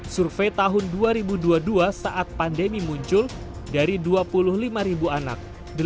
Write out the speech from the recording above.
survei tahun dua ribu dua puluh dua saat pandemi muncul dari dua puluh lima ribu anak